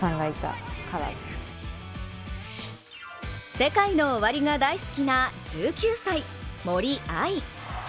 ＳＥＫＡＩＮＯＯＷＡＲＩが大好きな１９歳、森秋彩。